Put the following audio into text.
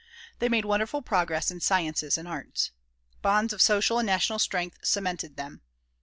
They made wonderful progress in sciences and arts. Bonds of social and national strength cemented them.